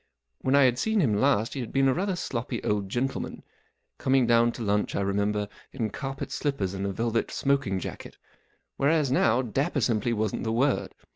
When T had seen him last he had been a rather sloppy old gentleman—coming down to lunch, I remember, in carpet slippers and a velvet smoking jacket ; whereas now dapper simply wasn't the word.